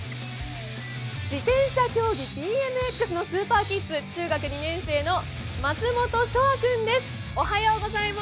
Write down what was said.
自転車競技、ＢＭＸのスーパーキッズ、中学２年生の松本翔海君です。